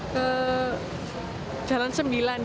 ke jalan sembilan ini